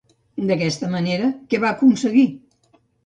D'aquesta manera, què va aconseguir?